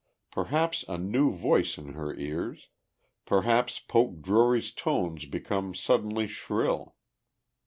Perhaps a new voice in her ears, perhaps Poke Drury's tones become suddenly shrill.